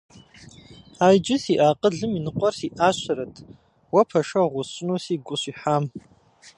А иджы сиӏэ акъылым и ныкъуэр сиӏащэрэт уэ пэшэгъу усщӏыну сигу къыщихьам.